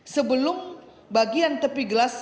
sebelum bagian tepi gelas